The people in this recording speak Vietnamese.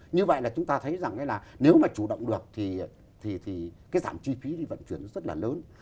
như vậy là chúng ta thấy rằng là nếu mà chủ động được thì cái giảm chi phí thì vận chuyển nó rất là lớn